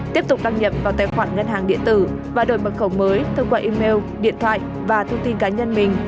tiếp tục đăng nhập vào tài khoản ngân hàng điện tử và đổi mật khẩu mới thông qua email điện thoại và thông tin cá nhân mình